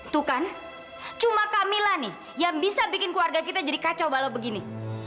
tuh kan cuma camilla nih yang bisa bikin keluarga kita jadi kacau balau begini